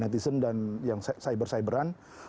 netizen dan yang cyber cyberan